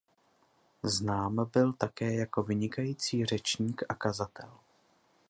Znám byl také jako vynikající řečník a kazatel.